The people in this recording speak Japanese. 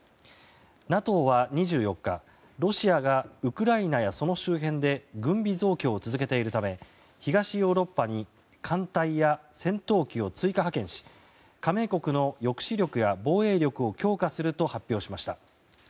ＮＡＴＯは２４日、ロシアがウクライナやその周辺で軍備増強を続けているため東ヨーロッパに艦隊や戦闘機を追加派遣し加盟国の抑止力や防衛力を強化すると発表しました。